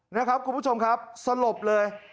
นะครับคุณผู้ชมครับสลบเลย